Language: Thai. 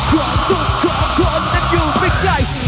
ขอสุขขอคนอยู่ไม่ไกล